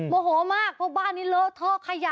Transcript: โมโหมากเพราะบ้านนี้เลอะท่อขยะ